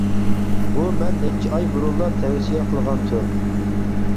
بۇ مەن نەچچە ئاي بۇرۇنلا تەۋسىيە قىلغان تۈر.